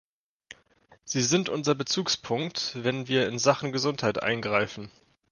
Sie sind unser Bezugspunkt, wenn wir in Sachen Gesundheit eingreifen.